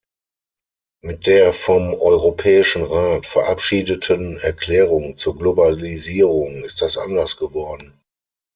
Mit der vom Europäischen Rat verabschiedeten Erklärung zur Globalisierung ist das anders geworden.